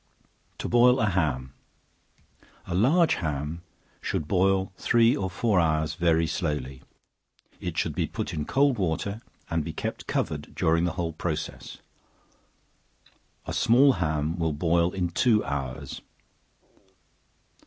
To Boil a Ham. A large ham should boil three or four hours very slowly; it should be put in cold water, and be kept covered during the whole process; a small ham will boil in two hours.